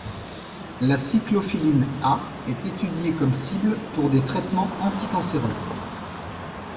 La cyclophiline A est étudiée comme cible pour des traitements anti-cancéreux.